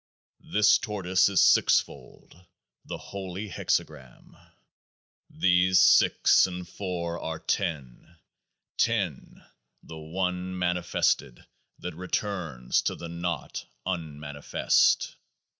This Tortoise is sixfold, the Holy Hexagram. 15 These six and four are ten, 10, the One mani fested that returns into the Naught un manifest.